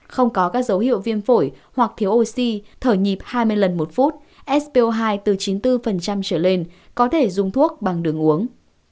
không có các dấu hiệu viêm phổi hoặc thiếu oxy thở nhịp hai mươi lần một phút sp hai từ chín mươi bốn trở lên có thể dùng thuốc bằng đường uống